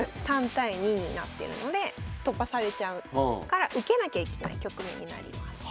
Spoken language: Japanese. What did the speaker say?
３対２になってるので突破されちゃうから受けなきゃいけない局面になります。